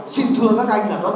xin thưa các anh là nó